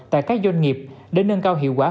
tại các doanh nghiệp để nâng cao hiệu quả